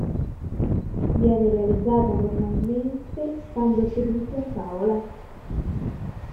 Viene realizzata normalmente stando seduti a tavola..